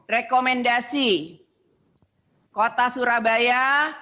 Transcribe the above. rekomendasi kota surabaya